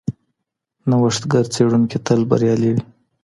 نوښتګر څېړونکي تل بریالي وي.